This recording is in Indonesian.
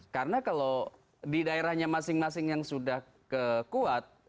karena kalau di daerahnya masing masing yang sudah kekuat